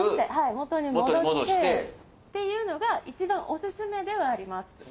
元に戻してっていうのが一番おすすめではあります。